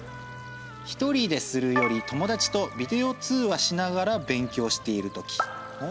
「一人でするより友だちとビデオ通話しながら勉強しているとき」。